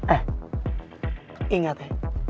eh ingat ya